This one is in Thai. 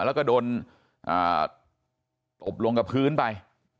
แล้วก็โดนตบลงกับพื้นไป